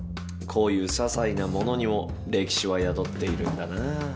こういう些細なものにも歴史は宿っているんだなぁ。